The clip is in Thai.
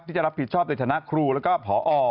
ที่จะรับผิดชอบในฐานะครูแล้วก็พอ